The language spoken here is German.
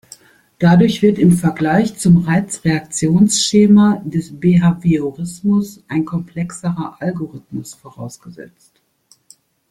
Dadurch wird im Vergleich zum Reiz-Reaktionsschema des Behaviorismus ein komplexerer Algorithmus vorausgesetzt.